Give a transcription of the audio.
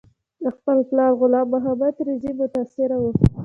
له خپل پلار غلام محمد طرزي متاثره و.